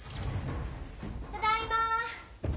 ただいま！